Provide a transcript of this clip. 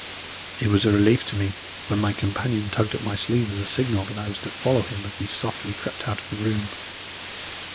It was a relief to me when my companion tugged at my sleeve as a signal that I was to follow him as he softly crept out of the room.